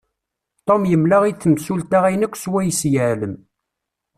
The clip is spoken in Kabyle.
Tom yemla i temsulta ayen akk s wayes i yeεlem.